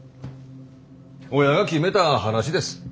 親が決めた話です。